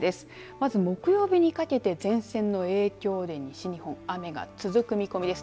まず木曜日にかけて前線の影響で西日本、雨が続く見込みです。